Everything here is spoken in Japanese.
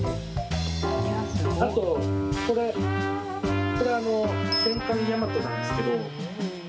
あとこれ、これ、戦艦大和なんですけど。